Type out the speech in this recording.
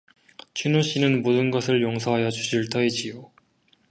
춘우 씨는 모든 것을 용서하여 주실 터이지요.